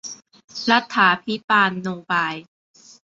รัฏฐาภิปาลโนบาย